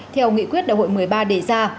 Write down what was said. theo nghị quyết đại hội một mươi ba đề ra